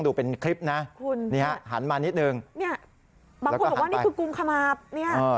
คุณค่ะบางคนบอกว่านี่คือกุมขมับแล้วก็หันไปนี่